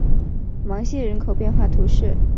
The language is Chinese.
芒谢人口变化图示